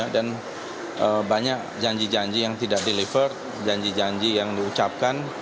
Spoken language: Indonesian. dan banyak janji janji yang tidak delivered janji janji yang diucapkan